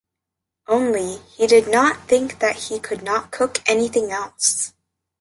Only, he did not think that he could not cook anything else.